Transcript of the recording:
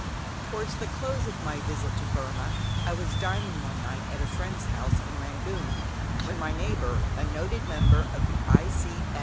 _Towards the close of my visit to Burmah I was dining one night at a friend's house in Rangoon, when my neighbour, a noted member of the I.